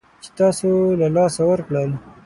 چې تاسو له لاسه ورکړل